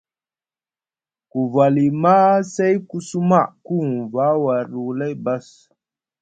Ku vali maa, say ku suma, ku huŋva warɗi wulay bas,